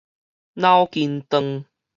腦筋斷